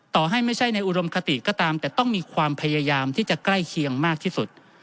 ต่อให้ไม่ใช่ในอุดมคติก็ตามแต่ต้องมีความพยายามที่จะใกล้เคียงมากที่สุด